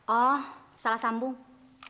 oh salah sambung